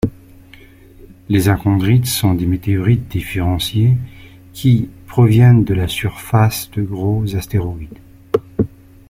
Les achondrites sont des météorites différenciées qui proviennent de la surface de gros astéroïdes.